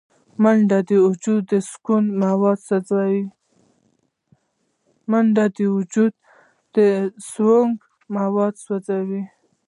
منډه د وجود سونګ مواد سوځوي